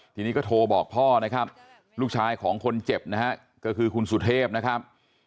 ทีนี้ก็โทรบอกพ่อนะครับลูกชายของคนเจ็บนะฮะก็คือคุณสุเทพนะครับ